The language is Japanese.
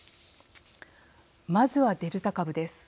まずは、デルタ株です。